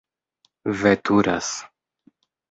veturas